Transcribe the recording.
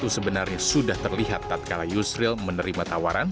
sebenarnya sudah terlihat tatkala yusril menerima tawaran